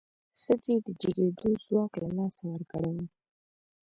ښځې د جګېدو ځواک له لاسه ورکړی و.